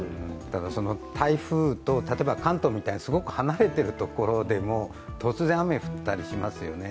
ただ、台風と、例えば関東みたいにすごく離れている所でも突然、雨降ったりしますよね。